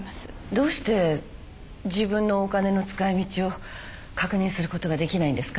どうして自分のお金の使い道を確認することができないんですか？